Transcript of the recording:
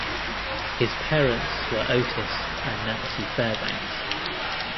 His parents were Otis and Nancy Fairbanks.